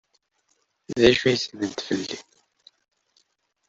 D acu ay ssnent fell-i?